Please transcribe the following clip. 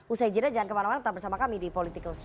usai jeda jangan kemana mana tetap bersama kami di political show